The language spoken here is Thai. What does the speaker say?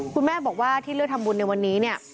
คุณแม่บอกว่าที่เลือกทำบุญในวันนี้เนี่ย